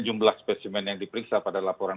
jumlah spesimen yang diperiksa pada laporan